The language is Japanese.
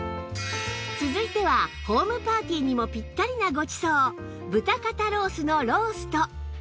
続いてはホームパーティーにもピッタリなごちそう豚肩ロースのロースト